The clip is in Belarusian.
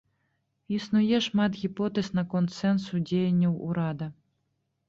Існуе шмат гіпотэз наконт сэнсу дзеянняў урада.